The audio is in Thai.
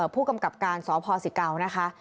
ผู้กำกับการสพศิเกานะคะ